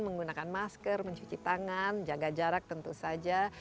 menggunakan masker mencuci tangan jaga jarak tentu saja